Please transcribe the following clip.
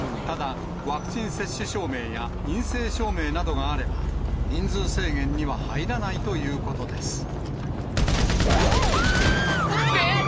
ただ、ワクチン接種証明や陰性証明などがあれば、人数制限には入らないということです。